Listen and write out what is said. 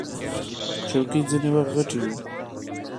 چوکۍ ځینې وخت غټې وي.